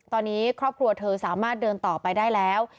ตอนนี้ครอบครัวเธอสามารถเดินต่อไปได้แล้ว